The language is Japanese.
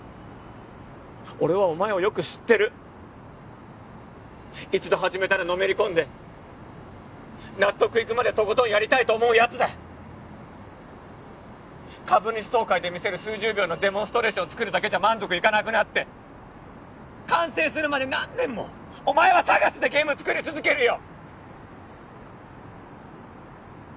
俺はお前をよく知ってる一度始めたらのめり込んで納得いくまでとことんやりたいと思うやつだ株主総会で見せる数十秒のデモンストレーションを作るだけじゃ満足いかなくなって完成するまで何年もお前はＳＡＧＡＳでゲーム作り続けるよ！